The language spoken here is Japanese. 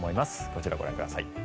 こちらご覧ください。